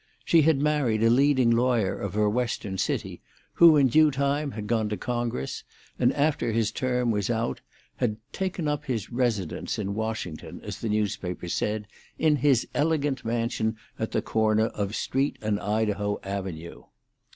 She had married a leading lawyer of her Western city, who in due time had gone to Congress, and after his term was out had "taken up his residence" in Washington, as the newspapers said, "in his elegant mansion at the corner of & Street and Idaho Avenue."